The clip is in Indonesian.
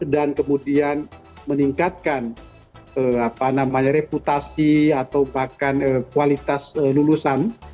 dan kemudian meningkatkan reputasi atau bahkan kualitas lulusan